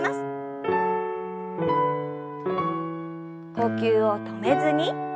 呼吸を止めずに。